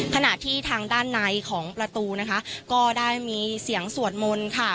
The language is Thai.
ขณะที่ทางด้านในของประตูนะคะก็ได้มีเสียงสวดมนต์ค่ะ